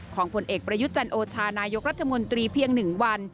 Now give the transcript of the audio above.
ของผลเอกประยุจรรโอชานายกรัฐมนตรีเพียงหนึ่งวัน